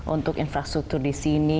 untuk infrastruktur di sini